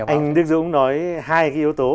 anh đức dũng nói hai cái yếu tố